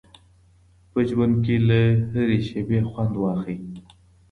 په ژوند کي له هرې شیبې خوند واخلئ.